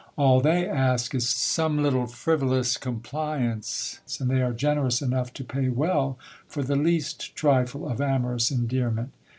All they ask is some little frivolous compliance, and they are generous enough to pay well for the least trifle of amorous endearment.